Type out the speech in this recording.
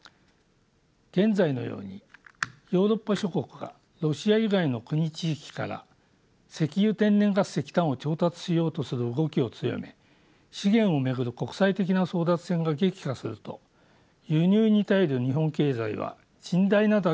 現在のようにヨーロッパ諸国がロシア以外の国地域から石油天然ガス石炭を調達しようとする動きを強め資源を巡る国際的な争奪戦が激化すると輸入に頼る日本経済は甚大な打撃を被るのです。